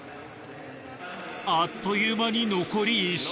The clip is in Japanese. あっという間に残り１周。